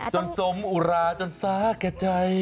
จนสมอุราจนซาแก่ใจ